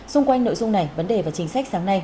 xung quanh nội dung này vấn đề và chính sách sáng nay